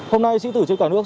hôm nay sĩ tử trên cả nước